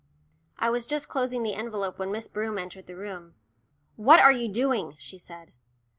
I was just closing the envelope when Miss Broom entered the room. "What are you doing?" she said.